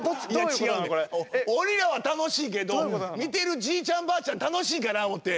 俺らは楽しいけど見てるじいちゃんばあちゃん楽しいかな思って。